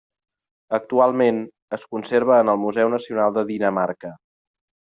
Actualment, es conserva en el Museu Nacional de Dinamarca.